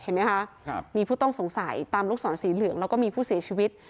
เห็นไหมคะมีผู้ต้องสงสัยตามลูกศรสีเหลืองแล้วก็มีผู้เสียชีวิต